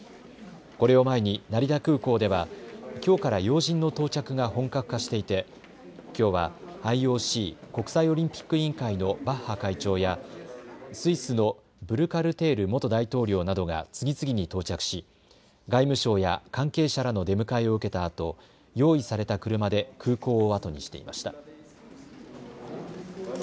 これを前に成田空港ではきょうから要人の到着が本格化していてきょうはＩＯＣ・国際オリンピック委員会のバッハ会長やスイスのブルカルテール元大統領などが次々に到着し外務省や関係者らの出迎えを受けたあと用意された車で空港を後にしていました。